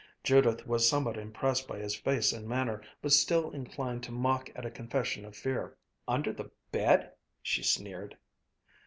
Judith was somewhat impressed by his face and manner, but still inclined to mock at a confession of fear. "Under the bed!" she sneered.